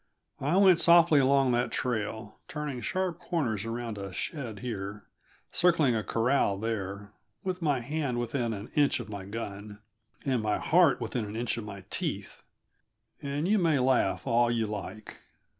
I went softly along that trail, turning sharp corners around a shed here, circling a corral there, with my hand within an inch of my gun, and my heart within an inch of my teeth, and you may laugh all you like.